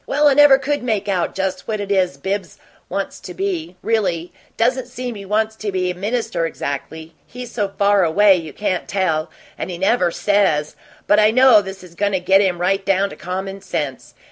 Well, I never could make out just what it is Bibbs wants to be, really; doesn't seem he wants to be a minister exactly he's so far away you can't tell, and he never SAYS but I know this is goin' to get him right down to common sense.